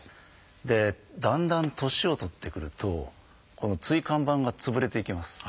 でだんだん年を取ってくるとこの椎間板が潰れていきます。